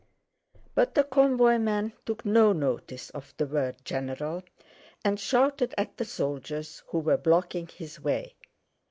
But the convoyman took no notice of the word "general" and shouted at the soldiers who were blocking his way.